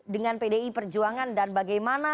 dengan pdi perjuangan dan bagaimana